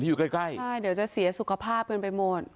อยู่ใกล้ใกล้ใช่เดี๋ยวจะเสียสุขภาพกันไปหมด